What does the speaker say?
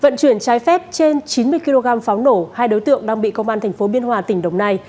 vận chuyển trái phép trên chín mươi kg pháo nổ hai đối tượng đang bị công an tp biên hòa tỉnh đồng nai